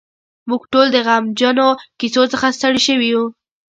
موږ ټول د غمجنو کیسو څخه ستړي شوي یو.